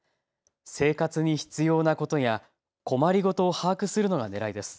生活に必要なことや困り事を把握するのがねらいです。